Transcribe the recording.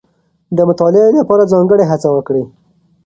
د مطالعې لپاره ځانګړې هڅه وکړئ.